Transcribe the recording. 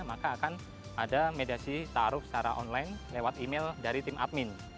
maka akan ada mediasi taruh secara online lewat email dari tim admin